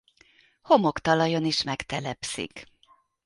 Homoktalajon is megtelepszik.